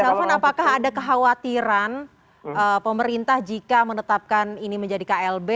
pak elvan apakah ada kekhawatiran pemerintah jika menetapkan ini menjadi klb